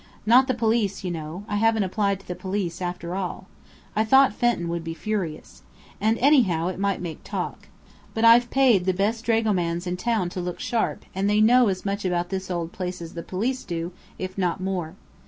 Not the police, you know; I haven't applied to the police after all. I thought Fenton would be furious. And anyhow it might make talk. But I've paid the best dragomans in town to look sharp; and they know as much about this old place as the police do, if not more.